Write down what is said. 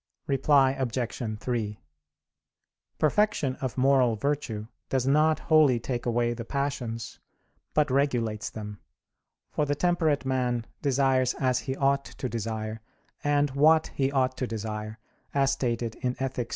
Reply Obj. 3: Perfection of moral virtue does not wholly take away the passions, but regulates them; for the temperate man desires as he ought to desire, and what he ought to desire, as stated in _Ethic.